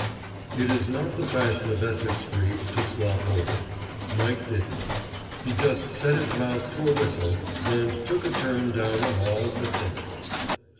It is not the fashion of Essex street to slop over. Mike didn't. He just set his mouth to a whistle and took a turn down the hall to think.